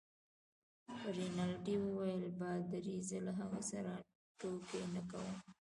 رینالډي وویل: پادري؟ زه له هغه سره ټوکې نه کوم.